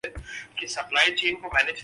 قومی cricket team دورہ Zimbabwe کے لئے روانہ